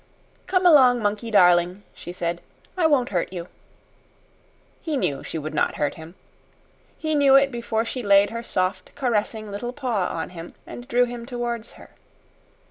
"Come along, monkey darling," she said. "I won't hurt you." He knew she would not hurt him. He knew it before she laid her soft, caressing little paw on him and drew him towards her.